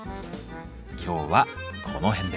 今日はこの辺で。